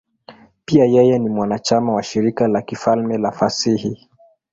Pia yeye ni mwanachama wa Shirika la Kifalme la Fasihi.